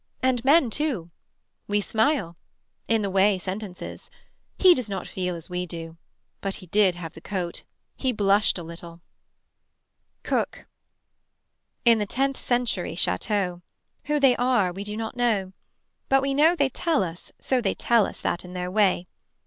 And men too We smile. In the way sentences. He does not feel as we do. But he did have the coat. He blushed a little Cook. In the tenth century chateau. Who they are we do not know. But we know they tell us so they tell us that in that way.